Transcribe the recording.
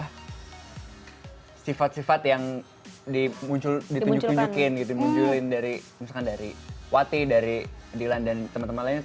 hai sifat sifat yang dimuncul di penyungguh j railway in maksudnya dari watih dir operators